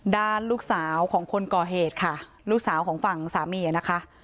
ด้านลูกสาวของคนก่อเหตุค่ะลูกสาวของฝั่งสามีนะคะ